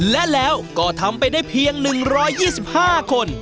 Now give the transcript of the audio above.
และแล้วก็ทำไปได้เพียง๑๒๕คน